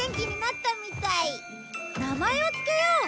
名前をつけよう！